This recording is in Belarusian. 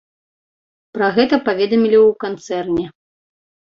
Пра гэта паведамілі ў канцэрне.